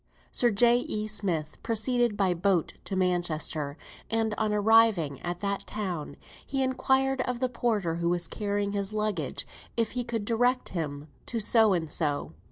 Sir J. E. Smith proceeded by coach to Manchester, and on arriving at that town, he inquired of the porter who was carrying his luggage if he could direct him to So and So.